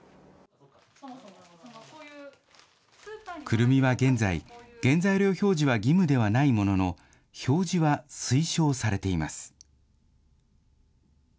くるみは現在、原材料表示は義務ではないものの、表示は推奨されています。